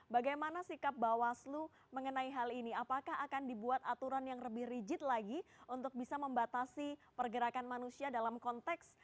bagaimana sikap bawaslu mengenai hal ini apakah akan dibuat aturan yang lebih rigid lagi untuk bisa membatasi pergerakan manusia dalam konteks